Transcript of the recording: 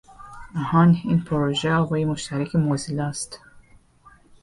آهان! این پروژه آوای مشترک موزیلا است.